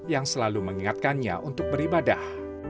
yang selalu mengingatkannya untuk beribadah